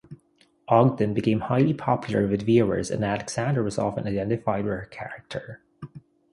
Ogden became highly popular with viewers and Alexander was often identified with her character.